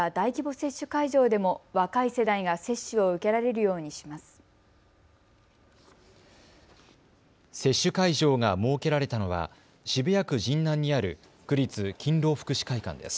接種会場が設けられたのは渋谷区神南にある区立勤労福祉会館です。